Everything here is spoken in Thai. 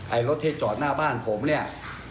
รถที่จอดหน้าบ้านผมเนี่ย